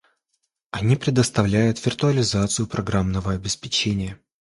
Они предоставляют виртуализацию программного обеспечения